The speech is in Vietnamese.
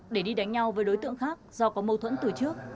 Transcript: để đi đánh nhau với đối tượng khác do có mâu thuẫn từ trước